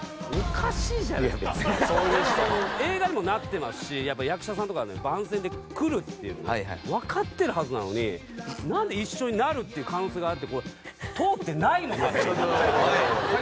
しかも映画にもなってますしやっぱ役者さんとかが番宣で来るっていうのもわかってるはずなのになんで一緒になるっていう可能性があって通ってないのかっていうのは。